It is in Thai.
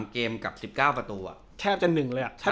๒๓เกมกับ๑๙ประตูอ่ะ